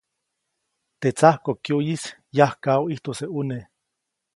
Teʼ tsajkokyuʼyis yajkaʼu ʼijtujse ʼuneʼ.